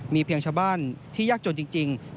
มีเพียงชาวบ้านที่ยากจนจริง